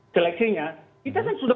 seleksinya kita kan sudah